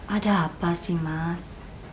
ada apa sih mas